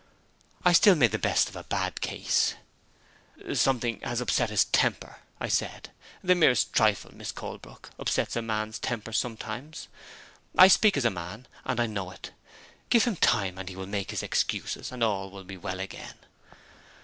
I still made the best of a bad case. "Something has upset his temper," I said. "The merest trifle, Miss Colebrook, upsets a man's temper sometimes. I speak as a man, and I know it. Give him time, and he will make his excuses, and all will be well again."